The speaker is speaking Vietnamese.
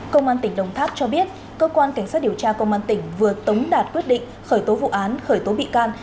công an tỉnh đồng tháp cho biết cơ quan cảnh sát điều tra công an tỉnh vừa tống đạt quyết định khởi tố vụ án khởi tố bị can